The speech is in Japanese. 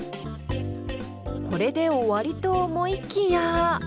これで終わりと思いきや。